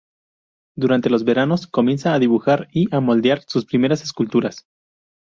Durante los veranos comienza a dibujar y a modelar sus primeras esculturas.